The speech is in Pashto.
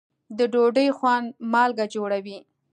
د ډوډۍ خوند مالګه جوړوي.